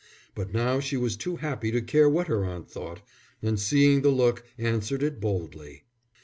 But now she was too happy to care what her aunt thought, and seeing the look, answered it boldly.